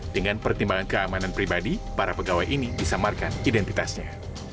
dengan pertimbangan keamanan pribadi para pegawai ini disamarkan identitasnya